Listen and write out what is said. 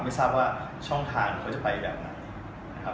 ไม่ทราบว่าช่องทางเขาจะไปแบบไหนนะครับ